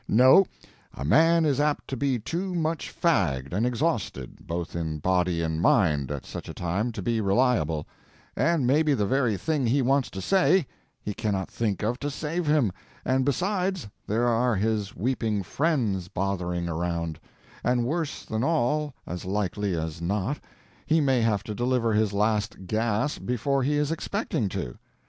No a man is apt to be too much fagged and exhausted, both in body and mind, at such a time, to be reliable; and maybe the very thing he wants to say, he cannot think of to save him; and besides there are his weeping friends bothering around; and worse than all as likely as not he may have to deliver his last gasp before he is expecting to.